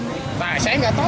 nah saya nggak tau